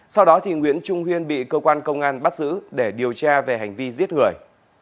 sau đó nguyễn trung huyên bị cơ quan công an bắt giữ để điều tra về hành vi giết người